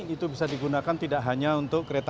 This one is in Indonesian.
itu bisa digunakan tidak hanya untuk kereta